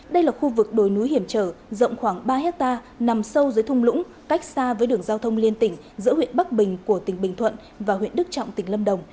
đây là khu vực đồi núi hiểm trở rộng khoảng ba hectare nằm sâu dưới thung lũng cách xa với đường giao thông liên tỉnh giữa huyện bắc bình của tỉnh bình thuận và huyện đức trọng tỉnh lâm đồng